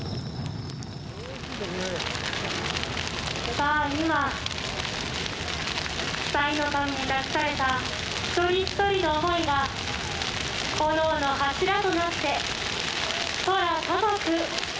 さあ今「さいの神」に託された一人一人の思いが炎の柱となって空高く舞い踊っています。